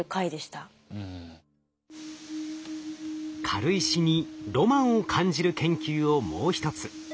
軽石にロマンを感じる研究をもう一つ。